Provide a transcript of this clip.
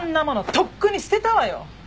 とっくに捨てたわよ！